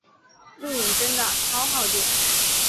录影真的超耗电